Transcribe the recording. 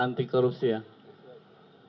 jadi kamu kan terserahkan baru